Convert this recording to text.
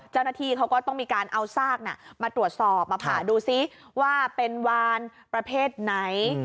เจ้าหน้าที่เขาก็ต้องมีการเอาซากมาตรวจสอบมาผ่าดูซิว่าเป็นวานประเภทไหน